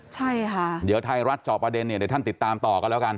ใช่คะเดี๋ยวทยรัชก์จะประเด็นท่านติดตามต่อกันแล้วกัน